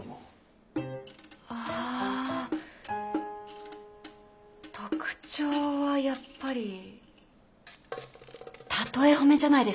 ああ特徴はやっぱり「たとえ褒め」じゃないですかね。